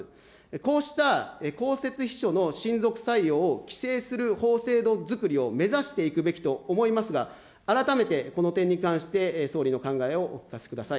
こうした公設秘書の親族採用を規制する法制度づくりを目指していくべきと思いますが、改めてこの点に関して総理の考えをお聞かせください。